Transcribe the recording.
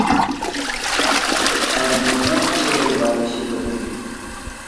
ن٘ا یُونان شہری بادشی وزیر اِن